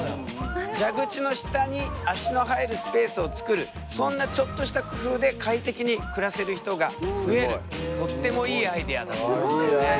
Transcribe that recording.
蛇口の下に足の入るスペースを作るそんなちょっとした工夫で快適に暮らせる人が増えるとってもいいアイデアだと思うよね。